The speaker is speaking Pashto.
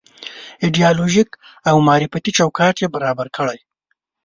ایدیالوژيک او معرفتي چوکاټ یې برابر کړی.